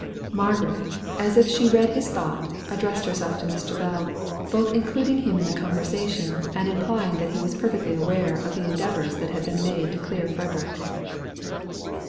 Margaret, as if she read his thought, addressed herself to Mr. Bell, both including him in the conversation, and implying that he was perfectly aware of the endeavours that had been made to clear Frederick.